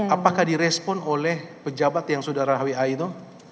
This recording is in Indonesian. apakah direspon oleh pejabat yang saudara wa itu